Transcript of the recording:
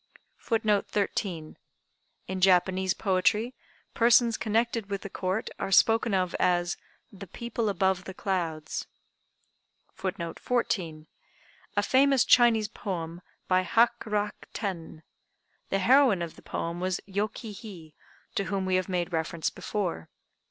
] [Footnote 13: In Japanese poetry, persons connected with the Court, are spoken of as "the people above the clouds."] [Footnote 14: A famous Chinese poem, by Hak rak ten. The heroine of the poem was Yô ki hi, to whom we have made reference before.